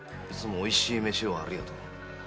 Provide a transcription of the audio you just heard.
いつもおいしい飯をありがとう」